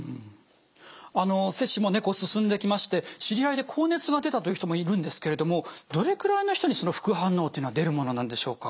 接種もねこう進んできまして知り合いで高熱が出たという人もいるんですけれどもどれくらいの人に副反応っていうのは出るものなんでしょうか？